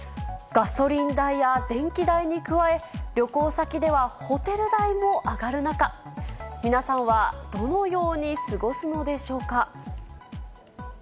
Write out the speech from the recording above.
ガソリン代や電気代に加え、旅行先ではホテル代も上がる中、皆さんはどのように過ごすのでしょうか。